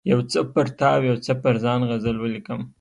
یو څه پر تا او یو څه پر ځان غزل ولیکم.